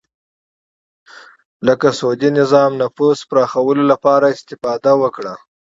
لکه سعودي نظام نفوذ پراخولو لپاره استفاده وکړه